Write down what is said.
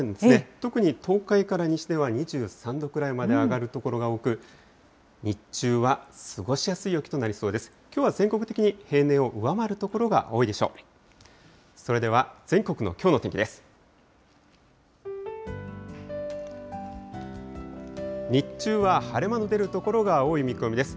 特に東海から西では２３度くらいまで上がる所が多く、日中は過ごしやすい陽気となりそうです。